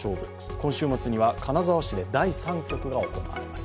今週末には金沢市で第３局が行われます。